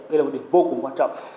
đây là một điều vô cùng quan trọng